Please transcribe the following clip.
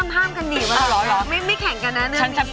นี่ห้ามกันดิวะไม่แข่งกันนะเรื่องนี้